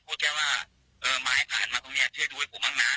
พูดแจ้ว่าเออม้ายผ่านมาตรงเนี่ยเชื่อดูให้ผมบ้างนะ